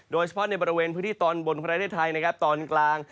โดยเฉพาะในบริเวณพื้นที่ตอนบนของประเทศไทยนะครับตอนกลาง